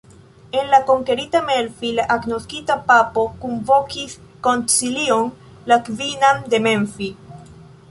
En la konkerita Melfi la agnoskita papo kunvokis koncilion, la kvinan de Melfi.